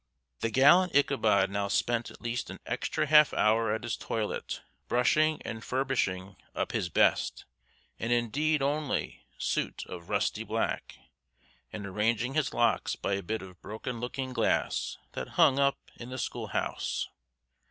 The gallant Ichabod now spent at least an extra half hour at his toilet, brushing and furbishing up his best, and indeed only, suit of rusty black, and arranging his locks by a bit of broken looking glass that hung up in the school house.